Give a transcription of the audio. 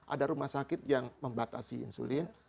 ada rumah sakit yang membatasi insulin